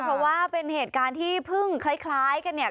เพราะว่าเป็นเหตุการณ์ที่เพิ่งคล้ายกันเนี่ย